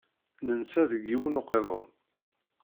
Nensa deg yiwen n uqiḍun.